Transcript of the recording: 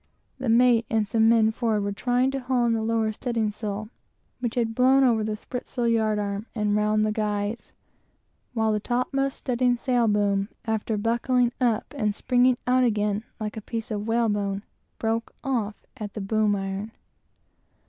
The mate and some men forward were trying to haul in the lower studding sail, which had blown over the sprit sail yard arm and round the guys; while the topmast studding sail boom, after buckling up and springing out again like a piece of whalebone, broke off at the boom iron.